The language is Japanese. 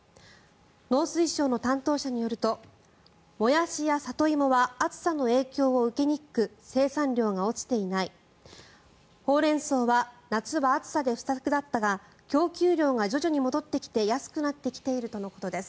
農水省の担当者によるとモヤシや里芋は暑さの影響を受けにくく生産量が落ちていないホウレンソウは夏は暑さで不作だったが供給量が徐々に戻ってきて安くなってきているとのことです。